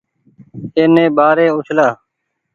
اي ني ٻآري اُڇلآ۔